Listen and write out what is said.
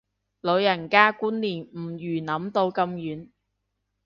老人家觀念唔預諗到咁遠